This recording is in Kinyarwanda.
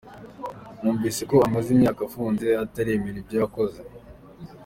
Numvise ko amaze imyaka afunze ataremera ibyo yakoze.